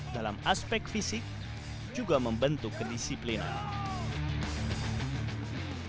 dalam aspek fisik juga membentuk kedisiplinan